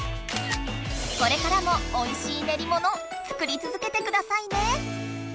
これからもおいしいねりもの作りつづけてくださいね！